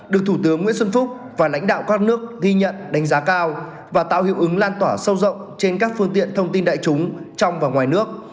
được thủ tướng nguyễn xuân phúc và lãnh đạo các nước ghi nhận đánh giá cao và tạo hiệu ứng lan tỏa sâu rộng trên các phương tiện thông tin đại chúng trong và ngoài nước